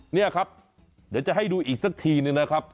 นี่ครับเดี๋ยวจะให้ดูอีกสักทีนึงนะครับ